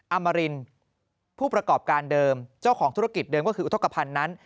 อมรินผู้ประกอบการเดิมเจ้าของธุรกิจเดิมก็คืออุทธกภัณฑ์นั้น